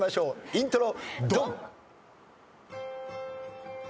イントロ。